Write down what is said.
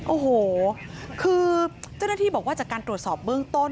โอ้โหคือเจ้าหน้าที่บอกว่าจากการตรวจสอบเบื้องต้น